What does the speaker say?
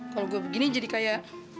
kalo gua begini jadi kaya